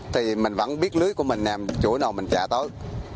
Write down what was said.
thì mình vẫn biết lưới của mình nằm chỗ nào mình trả tối